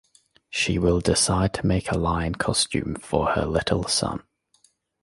She will decide to make a lion costume for her little son.